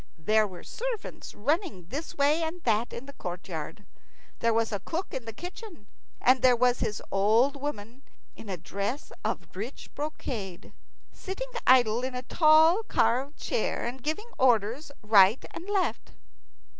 There were servants running this way and that in the courtyard. There was a cook in the kitchen, and there was his old woman, in a dress of rich brocade, sitting idle in a tall carved chair, and giving orders right and left.